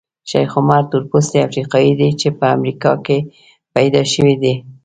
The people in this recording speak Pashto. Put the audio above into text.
شیخ عمر تورپوستی افریقایي دی چې په امریکا کې پیدا شوی دی.